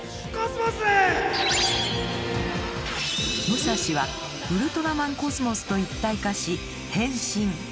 ムサシはウルトラマンコスモスと一体化し変身。